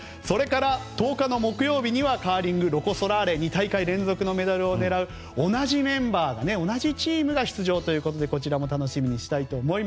それから１０日の木曜日にはカーリング、ロコ・ソラーレ２大会連続のメダルを狙う同じメンバー同じチームが出場ということでこちらも楽しみです。